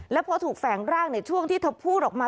แล้วพอถูกแฝงร่างในช่วงที่เธอพูดออกมา